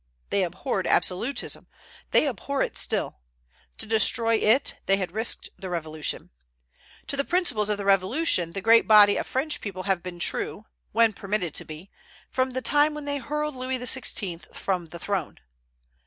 They abhorred absolutism; they abhor it still; to destroy it they had risked their Revolution. To the principles of the Revolution the great body of French people have been true, when permitted to be, from the time when they hurled Louis XVI. from the throne.